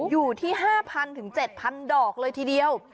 อยู่ที่๕๐๐๗๐๐ดอกเลยทีเดียว